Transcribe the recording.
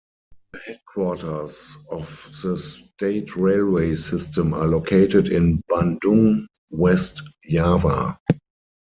The headquarters of the state railway system, are located in Bandung, West Java.